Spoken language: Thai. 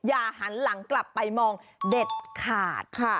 หันหลังกลับไปมองเด็ดขาด